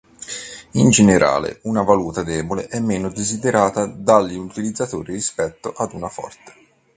In generale una valuta debole è meno desiderata dagli utilizzatori rispetto ad una forte.